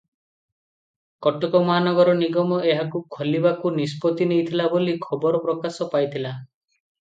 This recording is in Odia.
କଟକ ମହାନଗର ନିଗମ ଏହାକୁ ଖୋଲିବାକୁ ନିଷ୍ପତ୍ତି ନେଇଥିଲା ବୋଲି ଖବର ପ୍ରକାଶ ପାଇଥିଲା ।